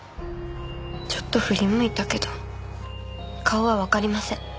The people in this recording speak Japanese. ちょっと振り向いたけど顔はわかりません。